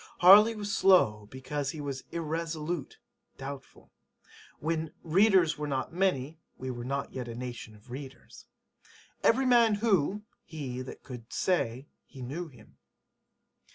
Harley was slow because he was [irresolute] doubtful. When [readers were not many] we were not yet a nation of readers. [Every man who] he that could say he knew him.